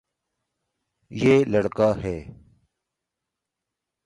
یے لڑکا ہے